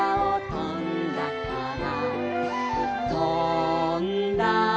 「とんだから」